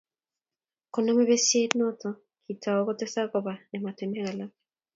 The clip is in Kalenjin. kuname besiet noto kiitou kotesaka koba emotinwek alak